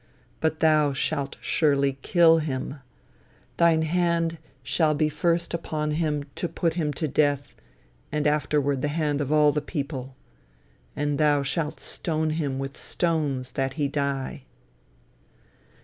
But thou shalt surely kill him; thine hand shall be first upon him to put him to death, and afterward the hand of all the people. And thou shalt stone him with stones that he die."